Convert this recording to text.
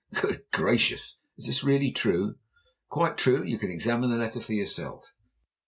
"Good gracious! Is this really true?" "Quite true. You can examine the letter for yourself."